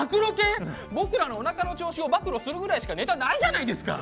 僕らのお腹の調子を暴露するぐらいしかネタないじゃないですか。